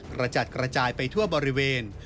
กระจัดกระจายไปทั่วบริเวณ